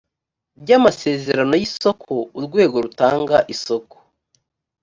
ry amasezerano y isoko urwego rutanga isoko